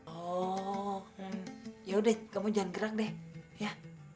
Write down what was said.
oh yaudah kamu jangan gerak deh ya